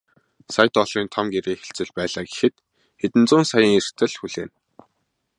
Сая долларын том гэрээ хэлцэл байлаа гэхэд хэдэн зуун саяын эрсдэл хүлээнэ.